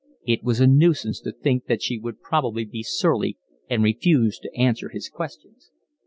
It was a nuisance to think that she would probably be surly and refuse to answer his questions.